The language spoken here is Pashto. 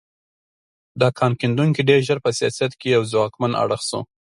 دا کان کیندونکي ډېر ژر په سیاست کې یو ځواکمن اړخ شو.